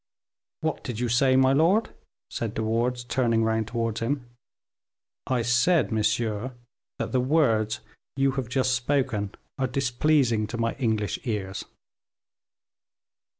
"What did you say, my lord?" said De Wardes, turning round towards him. "I said, monsieur, that the words you have just spoken are displeasing to my English ears."